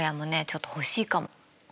ちょっと欲しいかも。